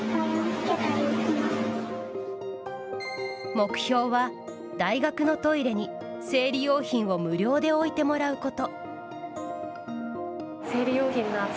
目標は、大学のトイレに生理用品を無料で置いてもらうこと。